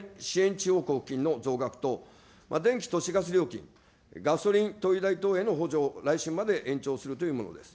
地方交付金の増額と、電気、都市ガス料金、ガソリン代等への補助を来春まで延長するというものです。